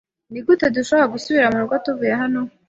Nigute dushobora gusubira murugo tuvuye hano?